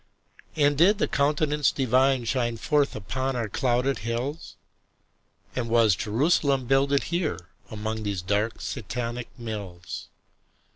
And did the Countenance Divine Shine forth upon our clouded hills? And was Jerusalem builded here Among these dark Satanic mills?